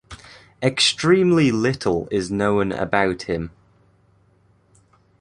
Extremely little is known about him.